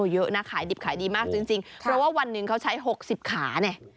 เยอะนะขายดิบขายดีมากจริงเพราะว่าวันหนึ่งเขาใช้๖๐ขาเนี่ย